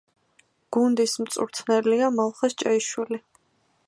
გუნდის მწვრთნელია მალხაზ ჭეიშვილი.